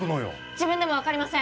自分でも分かりません！